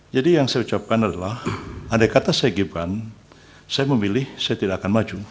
jadi yang saya ucapkan adalah andai kata saya gibran saya memilih saya tidak akan maju